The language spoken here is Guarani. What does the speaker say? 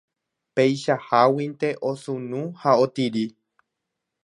Peichaháguinte osunu ha otiri